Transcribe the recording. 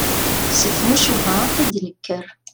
S tmucuha i d-nekker.